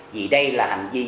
vì đây là hành vi đánh bạc